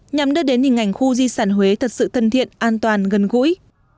nhằm đưa đến hình ảnh khu di sản huế thật sự thân thiện an toàn gần gũi